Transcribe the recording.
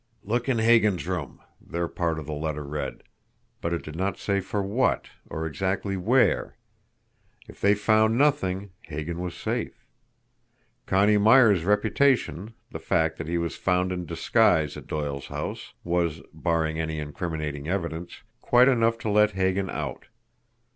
"Look in Hagan's room," their part of the letter read but it did not say for WHAT, or exactly WHERE! If they found nothing, Hagan was safe. Connie Myers' reputation, the fact that he was found in disguise at Doyle's house, was, barring any incriminating evidence, quite enough to let Hagan out.